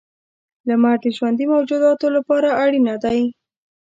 • لمر د ژوندي موجوداتو لپاره اړینه دی.